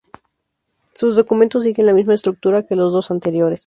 Sus documentos siguen la misma estructura que los dos anteriores.